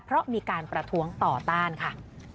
เพราะมีการประท้วงต่อต้านค่ะ